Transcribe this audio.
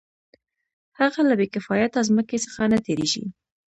هغه له بې کفایته ځمکې څخه نه تېرېږي